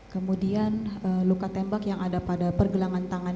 kemudian luka tembak yang ada pada pergelangan tangan